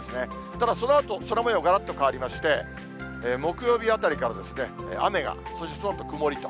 ただ、そのあと、空もようがらっと変わりまして、木曜日あたりから雨が、そして曇りと。